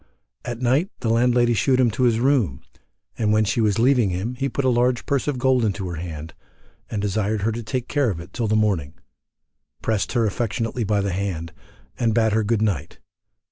At night the landlady shewed him to his room, and when she was leaving him he put a large purse of gold into her hand, and desired her to take care of it till the morning, pressed her affectionately by the hand, and bade her good night.